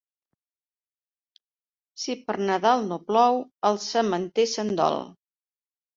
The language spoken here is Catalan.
Si per Nadal no plou, el sementer se'n dol.